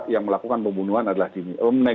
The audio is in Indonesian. yang melakukan pembunuhan adalah dirinya